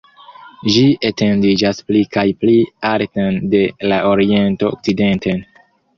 Ĝi etendiĝas pli kaj pli alten de la oriento okcidenten.